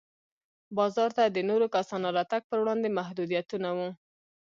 بازار ته د نورو کسانو راتګ پر وړاندې محدودیتونه وو.